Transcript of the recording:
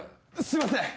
すいません！